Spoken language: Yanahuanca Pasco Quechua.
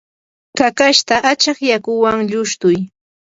kakashta achaq yakuwan lushtuy.